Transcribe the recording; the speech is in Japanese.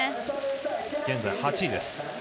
現在８位です。